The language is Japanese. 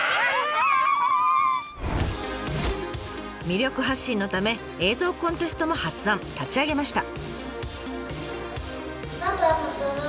魅力発信のため映像コンテストも発案立ち上げました。